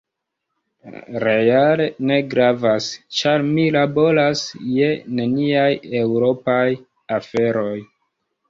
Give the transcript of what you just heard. Reale ne gravas, ĉar mi laboras je neniaj eŭropaj aferoj.